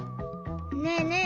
ねえねえ